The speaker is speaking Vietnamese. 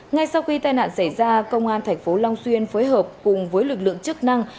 ngay sau khi tai nạn xảy ra công an tp long xuyên phối hợp cùng với lực lượng chức năng